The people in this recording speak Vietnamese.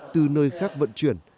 từ nơi khác vận chuyển